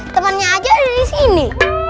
temannya aja di sini